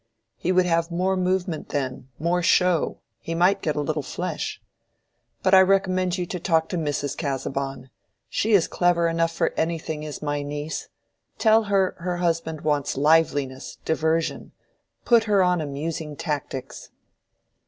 He would have more movement then, more show; he might get a little flesh. But I recommend you to talk to Mrs. Casaubon. She is clever enough for anything, is my niece. Tell her, her husband wants liveliness, diversion: put her on amusing tactics."